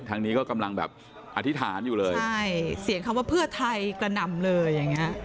ทางนี้ก็กำลังแบบอธิษฐานอยู่เลยใช่เสียงคำว่าเพื่อไทยกระหน่ำเลยอย่างเงี้ย